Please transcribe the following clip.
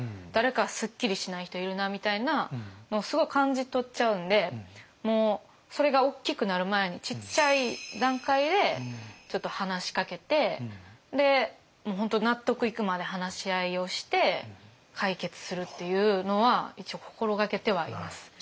誰かすっきりしない人いるなみたいなのをすごい感じ取っちゃうんでもうそれがおっきくなる前にちっちゃい段階でちょっと話しかけてで本当納得いくまで話し合いをして解決するっていうのは一応心がけてはいます。